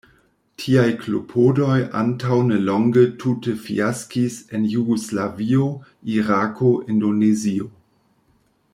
Tiaj klopodoj antaŭ nelonge tute fiaskis en Jugoslavio, Irako, Indonezio.